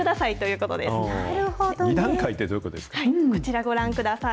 こちらご覧ください。